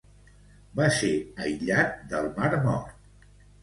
Va ser aïllat del Mar Mort.